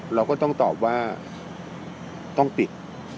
เราก็ต้องตอบว่าต้องปิด